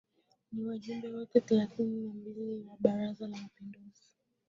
Ni wajumbe wote thelathini na mbili wa Baraza la Mapinduzi